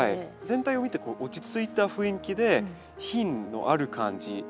全体を見てこう落ち着いた雰囲気で品のある感じ